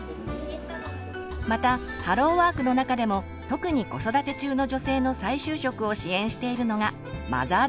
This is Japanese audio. またハローワークの中でも特に子育て中の女性の再就職を支援しているのが「マザーズハローワーク」。